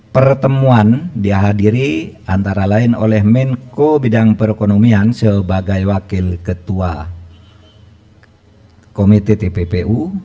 pertemuan dihadiri antara lain oleh menko bidang perekonomian sebagai wakil ketua komite tppu